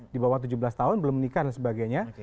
di bawah tujuh belas tahun belum menikah dan sebagainya